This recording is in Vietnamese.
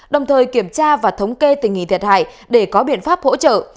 đồng thời kiểm tra và thống kê tình hình thiệt hại để có biện pháp hỗ trợ